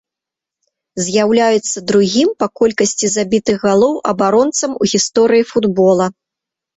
З'яўляецца другім па колькасці забітых галоў абаронцам у гісторыі футбола.